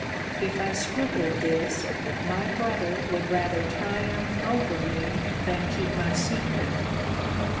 If I scrupled this, my brother would rather triumph over me, than keep my secret.